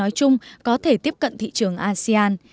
nói chung có thể tiếp cận thị trường asean